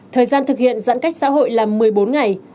thời gian thực hiện giãn cách xã hội là một mươi bốn ngày